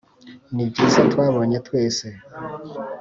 nibyiza twabonye twese